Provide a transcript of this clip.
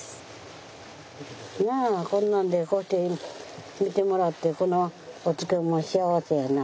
こんなんでこうして見てもらってこのお漬物幸せやな。